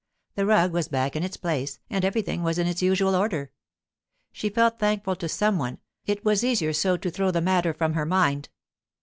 The rug was back in its place again, and everything was in its usual order. She felt thankful to some one; it was easier so to throw the matter from her mind.